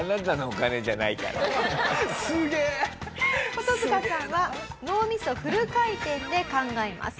コトヅカさんは脳みそフル回転で考えます。